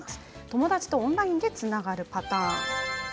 友達とオンラインでつながるパターンですね。